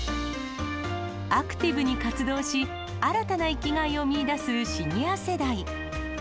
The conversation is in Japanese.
アクティブに活動し、新たな生きがいを見いだすシニア世代。